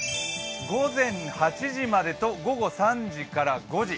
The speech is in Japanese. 午前８時までと午後３時から５時。